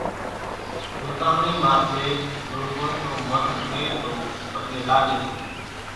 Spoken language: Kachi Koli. ھوتاۿڻي ماٿي زو ڪونئين نون من ڪي تو پڳي لاڳي سي